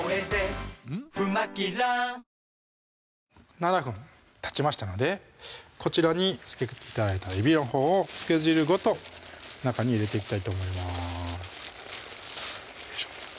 ７分たちましたのでこちらに漬けて頂いたえびのほうを漬け汁ごと中に入れていきたいと思いますよいしょ